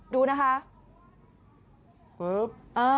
ดูนะคะ